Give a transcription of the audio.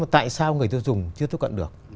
tại sao người tiêu dùng chưa tiếp cận được